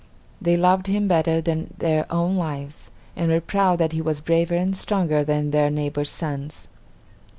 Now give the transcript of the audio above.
They loved him better than their own lives, and were proud that he was braver and stronger than their neighbors' sons.